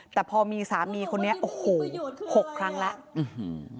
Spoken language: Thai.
แต่พอมีสามีคนนี้โอ้โหหกครั้งแล้ว